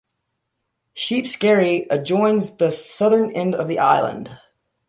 Sheep Skerry adjoins the southern end of the island.